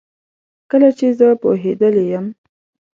کله چي زه پوهیدلې یم